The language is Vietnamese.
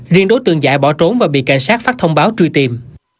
riêng đối tượng giải bỏ trốn và bị cảnh sát phát thông báo truy tìm